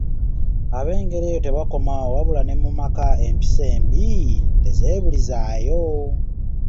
Ab'engeri eyo tebakoma awo, wabula ne mu maka empisa embi tezeebulizaayo.